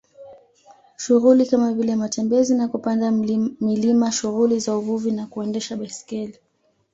Shughuli kama vile matembezi na kupanda milima shughuli za uvuvi na kuendesha baiskeli